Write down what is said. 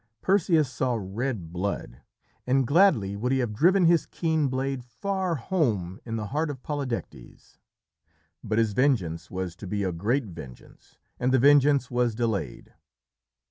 Perseus saw red blood, and gladly would he have driven his keen blade far home in the heart of Polydectes. But his vengeance was to be a great vengeance, and the vengeance was delayed.